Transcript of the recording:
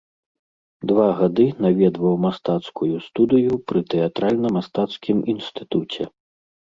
Два гады наведваў мастацкую студыю пры тэатральна-мастацкім інстытуце.